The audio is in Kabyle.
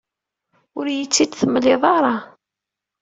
Ur iyi-tt-id-temliḍ ara.